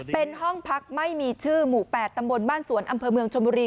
เป็นห้องพักไม่มีชื่อหมู่๘ตำบลบ้านสวนอำเภอเมืองชนบุรี